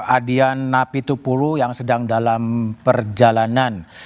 adian napi tupulu yang sedang dalam perjalanan